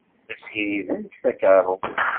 La ssirident takeṛṛust.